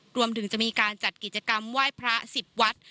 รวมถึงจะมีการจัดกิจกรรมไหว้พระ๑๐วัด